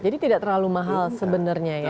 jadi tidak terlalu mahal sebenarnya ya